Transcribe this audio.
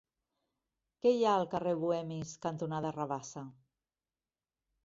Què hi ha al carrer Bohemis cantonada Rabassa?